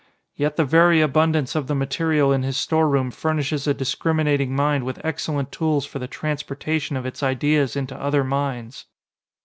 Yet the very abundance of the material in his storeroom furnishes a discriminating mind with excellent tools for the transportation of its ideas into other minds.